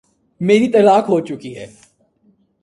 میری طلاق ہو چکی ہے۔